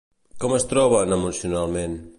Com es troben emocionalment?